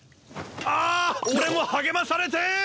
ああ俺も励まされてぇ！